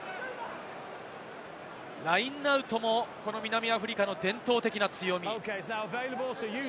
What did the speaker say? ラインアウトも南アフリカの伝統的な強み。